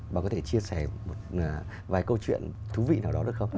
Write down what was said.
bà có thể chia sẻ vài câu chuyện thú vị nào đó được không